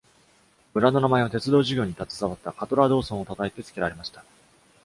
村の名前は、鉄道事業に携わったカトラー・ドーソンを称えて付けられました。